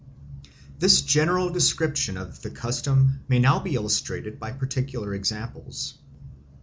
This general description of the custom may now be illustrated by particular examples.